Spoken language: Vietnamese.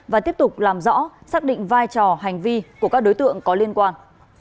và tiếp tục làm rõ xác định vai trò hành vi của các đối tượng có liên quan